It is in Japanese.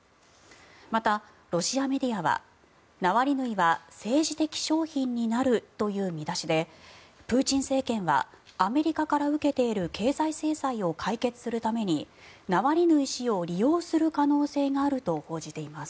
また、ロシアメディアはナワリヌイは政治的商品になるという見出しでプーチン政権はアメリカから受けている経済制裁を解決するためにナワリヌイ氏を利用する可能性があると報じています。